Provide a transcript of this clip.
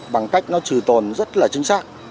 bằng cách nó trừ tồn rất là chính xác